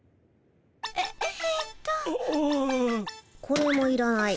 これもいらない。